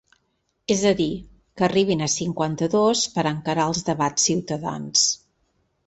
És a dir, que arribin a cinquanta-dos per a encarar els debats ciutadans.